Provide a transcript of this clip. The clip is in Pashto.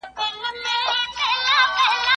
دوی تېر کال د نجونو تبادله منع کړه.